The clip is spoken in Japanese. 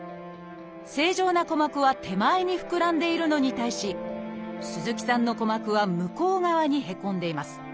正常な鼓膜は手前に膨らんでいるのに対し鈴木さんの鼓膜は向こう側にへこんでいます。